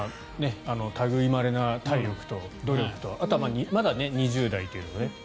類いまれな体力と努力とあとは、まだ２０代で。